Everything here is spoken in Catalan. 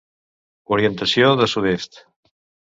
Orientació de sud-est.